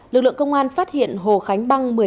lực lượng công an phát hiện hồ khánh băng